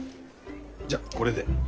じゃあこれで。